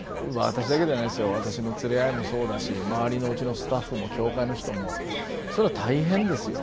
私の連れ合いもそうだし周りのうちのスタッフも教会の人もそれは大変ですよ。